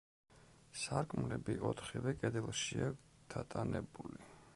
სარკმლები ოთხივე კედელშია დატანებული.